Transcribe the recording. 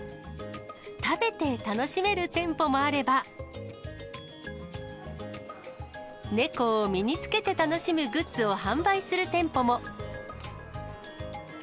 食べて楽しめる店舗もあれば、猫を身につけて楽しむグッズを販売する店舗も。